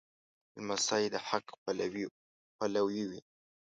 لمسی د حق پلوی وي.